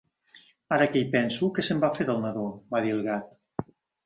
"Ara que hi penso, què se'n va fer del nadó?", va dir el Gat.